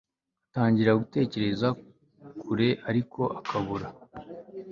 atangira gutekereza kure ariko akabura